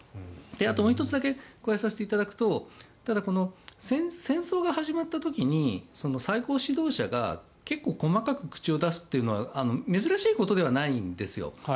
あと、もう１つだけ加えさせていただくと戦争が始まった時に最高指導者が結構細かく口を出すというのは珍しいことではないんですよ。